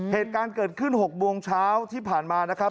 เหตุการณ์เกิดขึ้น๖โมงเช้าที่ผ่านมานะครับ